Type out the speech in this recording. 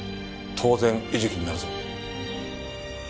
当然餌食になるぞ。